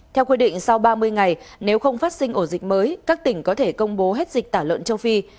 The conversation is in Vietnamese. theo quy định sau ba mươi ngày nếu không phát sinh ổ dịch mới các tỉnh có thể công bố hết dịch tả lợn châu phi